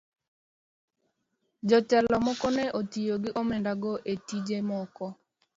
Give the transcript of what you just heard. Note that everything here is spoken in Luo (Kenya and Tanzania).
Jotelo moko ne otiyo gi omenda go e tije moko.